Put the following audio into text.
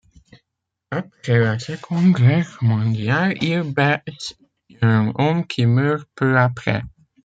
Après la Seconde Guerre mondiale, il blesse un homme qui meurt peu après.